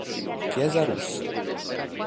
Chiesa russa